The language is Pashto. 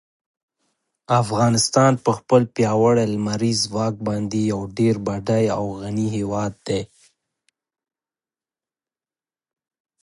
افغانستان په خپل پیاوړي لمریز ځواک باندې یو ډېر بډای او غني هېواد دی.